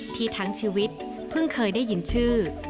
ทั้งชีวิตเพิ่งเคยได้ยินชื่อ